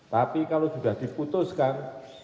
tapi kalau sudah diputuskan